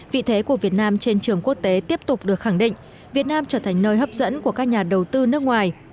vị thế của việt nam trên trường quốc tế tiếp tục được khẳng định việt nam trở thành nơi hấp dẫn của các nhà đầu tư nước ngoài